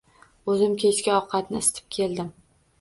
Oʻzim kechki ovqatini isitib keldim